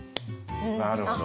なるほど。